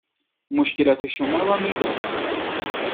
مشکلات شما را میدانند